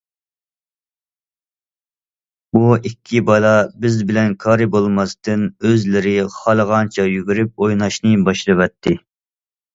بۇ ئىككى بالا بىز بىلەن كارى بولماستىن، ئۆزلىرى خالىغانچە يۈگۈرۈپ ئويناشنى باشلىۋەتتى.